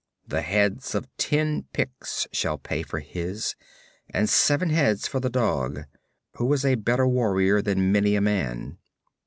'The heads of ten Picts shall pay for his, and seven heads for the dog, who was a better warrior than many a man.'